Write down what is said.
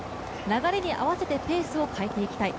流れに合わせてペースを変えていきたい。